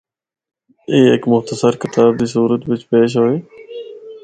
اے ہک مختصر کتاب دی صورت بچ پیش ہوے۔